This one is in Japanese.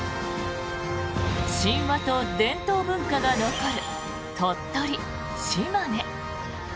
神話と伝統文化が残る鳥取・島根。